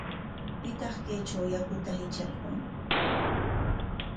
¿Pitaq kaytraw yaku hitrarqun?